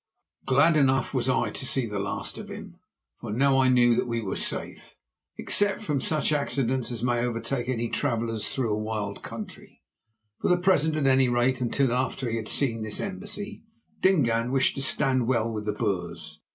Glad enough was I to see the last of him, for now I knew that we were safe, except from such accidents as may overtake any travellers through a wild country. For the present, at any rate until after he had seen this embassy, Dingaan wished to stand well with the Boers.